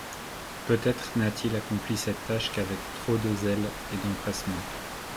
Peut-être n'a-t-il accompli cette tâche qu'avec trop de zèle et d'empressement.